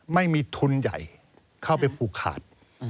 ไม่มีทุนใหญ่เข้าไปผูกขาด